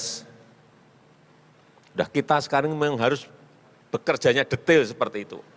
sudah kita sekarang memang harus bekerjanya detail seperti itu